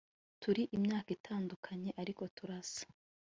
turi imyaka itandukanye ariko turasa